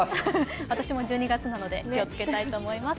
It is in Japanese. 私も１２月なので気をつけたいと思います。